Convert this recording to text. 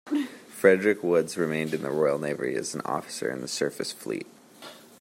Frederick Woods remained in the Royal Navy as an officer in the surface fleet.